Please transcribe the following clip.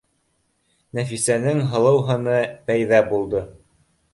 Нәфисәнең һылыу һыны пәйҙә булды